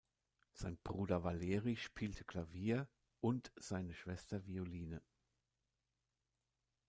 Sein Bruder Waleri spielte Klavier und seine Schwester Violine.